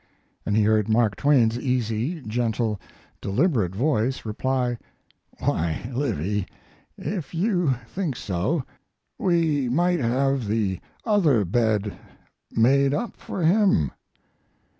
And he heard Mark Twain's easy, gentle, deliberate voice reply: "Why, Livy, if you think so, we might have the other bed made up for him."